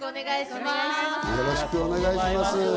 よろしくお願いします！